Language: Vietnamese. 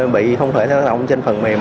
bị không phải tác động trên phần mềm